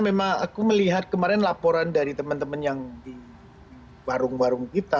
memang aku melihat kemarin laporan dari teman teman yang di warung warung kita